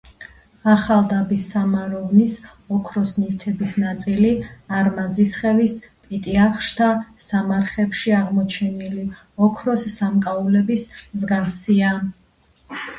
ახალდაბის სამაროვნის ოქროს ნივთების ნაწილი არმაზისხევის პიტიახშთა სამარხებში აღმოჩენილი ოქროს სამკაულების მსგავსია.